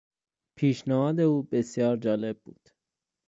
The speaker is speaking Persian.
پیشنهاد او بسیار جالب بود.